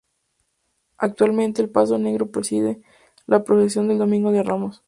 Actualmente, el Paso Negro preside la procesión del Domingo de Ramos.